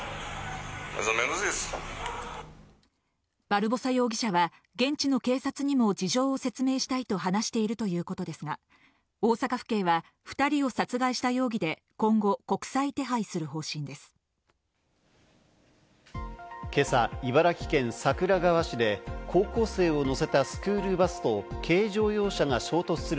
バルボサ容疑者は現地の警察にも事情を説明したいと話しているということですが、大阪府警は２人を殺害した容疑で今後、国際手配する方針です。